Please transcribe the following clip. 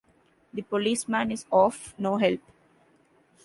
The policeman is of no help.